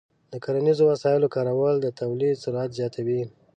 د کرنیزو وسایلو کارول د تولید سرعت زیاتوي.